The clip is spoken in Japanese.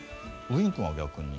ウィン君は逆に？